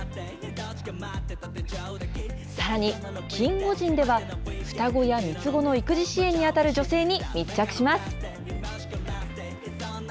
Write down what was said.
さらに、キンゴジンでは、双子や３つ子の育児支援に当たる女性に密着します。